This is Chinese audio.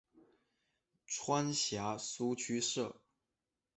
川陕苏区设。